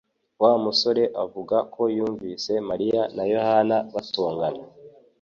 Wa musore avuga ko yumvise Mariya na Yohana batongana